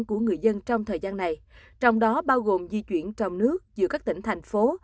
của người dân trong thời gian này trong đó bao gồm di chuyển trong nước giữa các tỉnh thành phố